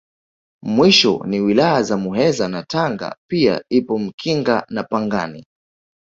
Mwisho ni Wilaya za Muheza na Tanga pia ipo Mkinga na Pangani